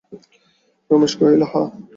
রমেশ কহিল, হাঁ।